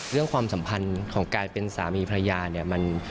ความสัมพันธ์ของการเป็นสามีภรรยาเนี่ย